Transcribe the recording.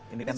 ini kan toh